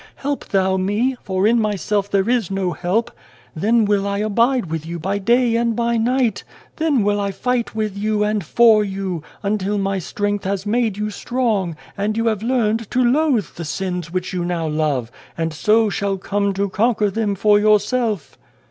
Help Thou me, for in myself there is no help," then will I abide with you by day and by night, then will I fight with you and for you, until My strength has made you strong, and you have learned to loathe the sins which now you love, and so shall come to conquer them for yourself.'